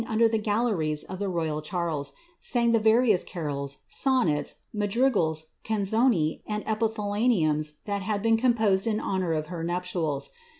under the galleries of the Royal Charles, lang the various cardsi son nets, madrigals, canzoni, and epithalamiums that had been composed in honour of her nuptials.